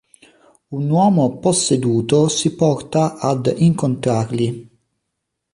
Un uomo posseduto si porta ad incontrarli.